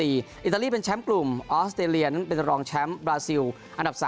อิตาลีเป็นแชมป์กลุ่มออสเตรเลียนั้นเป็นรองแชมป์บราซิลอันดับ๓